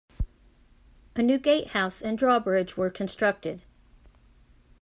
A new gatehouse and drawbridge were constructed.